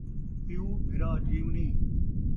پیؤ بھرا جیونِیں